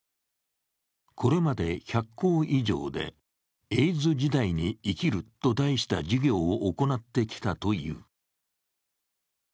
これまで１００校以上で「エイズ時代に生きる」と題した授業を行ってきたという。